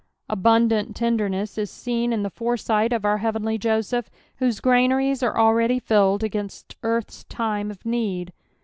(^undant tenderness ia seen in the foresight of our heavenly Joseph, whose granaries are already filled against earth's time of need.